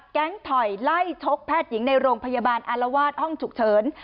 ถอยไล่ชกแพทย์หญิงในโรงพยาบาลอารวาสห้องฉุกเฉิน